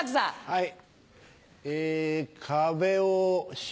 はい。